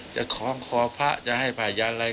จะของคอพระจะให้ภายาอะไร